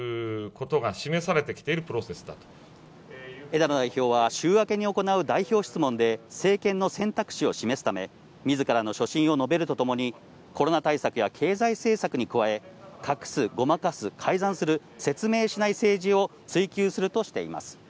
枝野代表は週明けに行う代表質問で政権の選択肢を示すため、みずからの所信を述べるとともにコロナ対策や経済政策に加え、隠す・ごまかす・改ざんする・説明しない政治を追及するとしています。